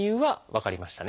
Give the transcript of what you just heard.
分かりました。